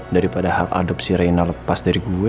daripada hak adopsi reina lepas dari gue